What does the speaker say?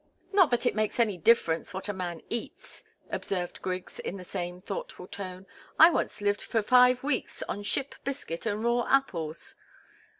"Not that it makes any difference what a man eats," observed Griggs in the same thoughtful tone. "I once lived for five weeks on ship biscuit and raw apples."